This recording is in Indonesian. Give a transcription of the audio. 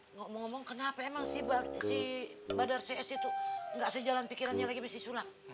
ngomong ngomong kenapa emang si badar cs itu nggak sejalan pikirannya lagi besi sulap